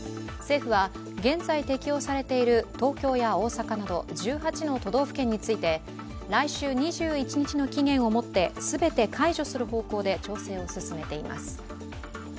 政府は現在適用されている東京や大阪など１８の都道府県について来週２１日の期限をもって全て解除する方向で調整を進めています。